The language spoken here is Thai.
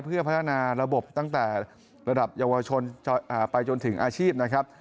เพื่อพัฒนาระบบตั้งแต่ระดับเยาวชนไปจนถึงอาชีพนะครับ